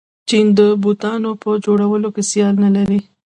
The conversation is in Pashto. چین د بوټانو په جوړولو کې سیال نلري.